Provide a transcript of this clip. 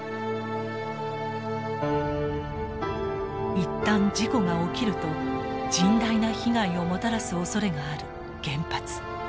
一旦事故が起きると甚大な被害をもたらすおそれがある原発。